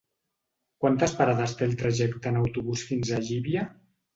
Quantes parades té el trajecte en autobús fins a Llívia?